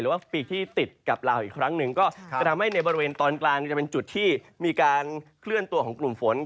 ว่าปีกที่ติดกับลาวอีกครั้งหนึ่งก็จะทำให้ในบริเวณตอนกลางจะเป็นจุดที่มีการเคลื่อนตัวของกลุ่มฝน